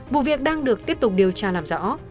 vụ việc đang được tiếp tục điều tra làm rõ